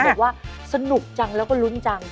บอกว่าสนุกจังแล้วก็ลุ้นจัง